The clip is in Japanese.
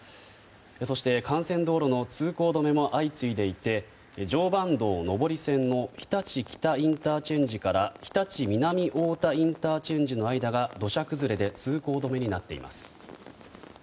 そして、幹線道路の通行止めも相次いでいて常磐道上り線の日立北ＩＣから日立南太田ＩＣの間が土砂崩れで通行止めになっています。